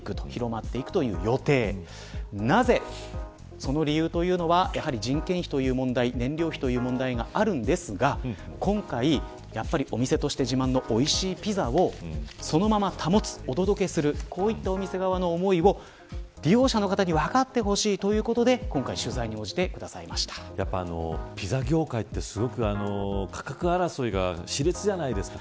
その理由というのは人件費という問題燃料費という問題があるんですが今回お店として自慢のおいしいピザをそのまま保つ、お届けするこういったお店側の思いを利用者の方に分かってほしいということで今回、取材にピザ業界ってすごく価格争いがし烈じゃないですか。